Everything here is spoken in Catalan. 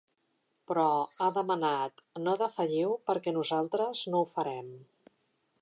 Però ha demanat: “No defalliu perquè nosaltres no ho farem”.